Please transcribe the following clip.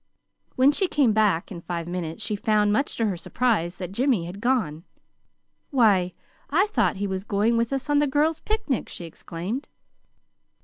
When she came back in five minutes she found, much to her surprise, that Jimmy had gone. "Why, I thought he was going with us on the girls' picnic!" she exclaimed.